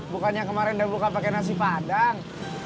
bukannya kemarin dia buka pakai nasi padang